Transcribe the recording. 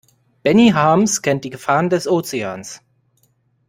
Benny Harms kennt die Gefahren des Ozeans.